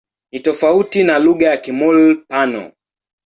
Ni tofauti na lugha ya Kimur-Pano.